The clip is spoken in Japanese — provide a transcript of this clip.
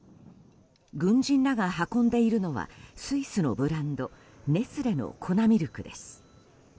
軍人らが運んでいるのはスイスのブランドネスレの粉ミルクです。